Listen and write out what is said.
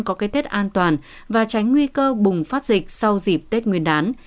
có cái tết an toàn và tránh nguy cơ bùng phát dịch sau dịp tết nguyên đán